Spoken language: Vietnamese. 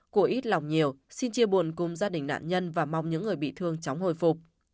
của ít lòng nhiều xin chia buồn cùng gia đình nạn nhân và mong những người bị thương chóng hồi phục